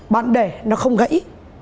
nếu như bún bẩn bạn để nó không gãy